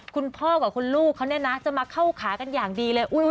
คุณพ่อกับคุณลูกเขาเนี่ยนะจะมาเข้าขากันอย่างดีเลย